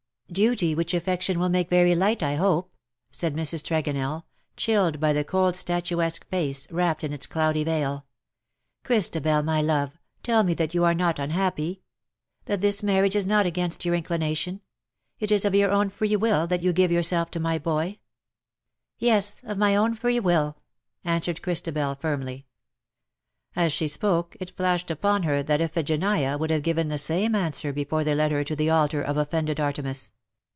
^^Duty which affection will make very light, I hope/^ said Mrs. Tregonell, chilled by the cold statuesque face^ wrapped in its cloudy veil. "Christ abel, my love, tell me that you are not unhappy — that this marriage is not against your inclination. It is of your own free will that you give yourself to my boy ?''" Yes^ of my own free will/^ answered Christabel, firmly. As she spoke, it flashed upon her that Iphigenia would have given the same answer before they led her to the altar of offended Artemis.